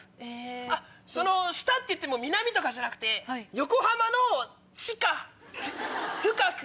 下っていっても南とかじゃなくて横浜の地下深く。